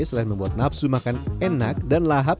selain membuat nafsu makan enak dan lahap